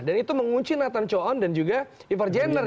dan itu mengunci nathan chowon dan juga ivar jenner